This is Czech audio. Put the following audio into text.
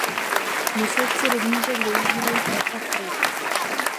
Myslivci rybníček využívají pro chov ryb.